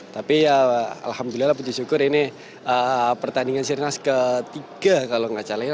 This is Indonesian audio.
tapi ya alhamdulillah puji syukur ini pertandingan sirinas ketiga kalau enggak salah